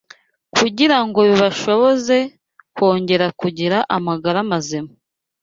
kugira ngo bibashoboze kongera kugira amagara mazima